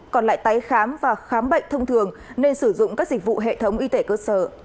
còn lại tái khám và khám bệnh thông thường nên sử dụng các dịch vụ hệ thống y tế cơ sở